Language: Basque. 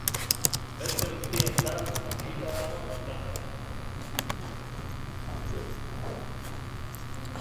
Beste guztientzat itxita dago mendatea.